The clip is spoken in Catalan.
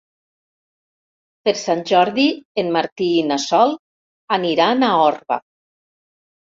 Per Sant Jordi en Martí i na Sol aniran a Orba.